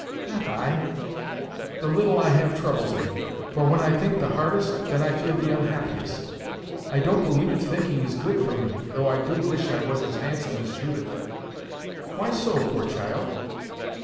"Not I. The little I have troubles me; for when I think the hardest, then I feel the unhappiest. I don't believe thinking is good for me, though I do wish I was as handsome as Judith!" "Why so, poor child?